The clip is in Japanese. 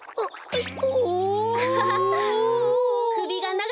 えっ！？